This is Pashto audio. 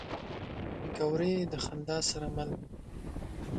پکورې د خندا سره مل وي